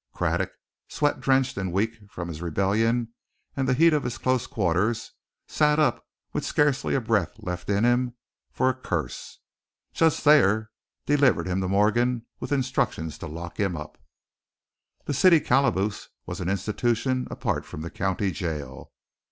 Craddock, sweat drenched and weak from his rebellion and the heat of his close quarters, sat up with scarcely a breath left in him for a curse. Judge Thayer delivered him to Morgan, with instructions to lock him up. The city calaboose was an institution apart from the county jail.